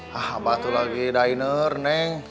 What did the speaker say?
hah abah tuh lagi diner neng